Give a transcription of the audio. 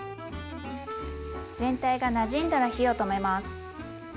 全体がなじんだら火を止めます。